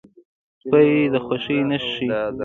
سپي د خوښۍ نښې ښيي.